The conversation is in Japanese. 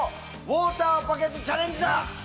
ウォーターバケツチャレンジだ！